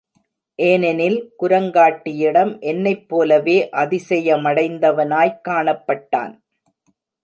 ஏனெனில் குரங்காட்டியிடம் என்னைப் போலவே அதிசயமடைந்தவனாய்க் காணப்பட்டான்.